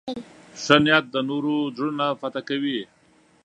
ښه نیت د نورو زړونه فتح کوي.